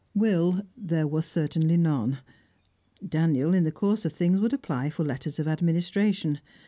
Will there was certainly none; Daniel, in the course of things, would apply for letters of administration.